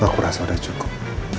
aku rasa udah cukup